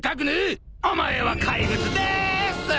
お前は怪物です！